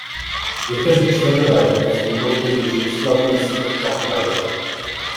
Někteří členové této sněmovny již oslavují smrt kapitalismu.